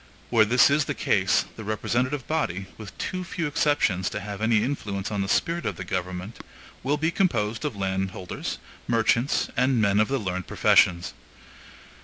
Where this is the case, the representative body, with too few exceptions to have any influence on the spirit of the government, will be composed of landholders, merchants, and men of the learned professions.